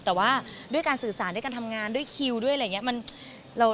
แต่ว่าด้วยการสื่อสารด้วยการทำงานด้วยคิวด้วยอะไรอย่างนี้